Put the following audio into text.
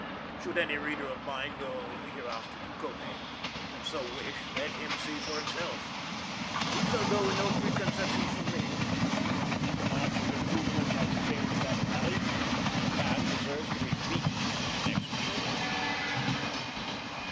Should any reader of mine go hereafter to Kobé, and so wish, let him see for himself; he shall go with no preconceptions from me. If the march of improvement has changed that valley, Japan deserves to be beaten in her next war.